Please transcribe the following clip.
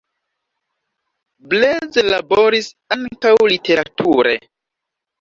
Blaise laboris ankaŭ literature.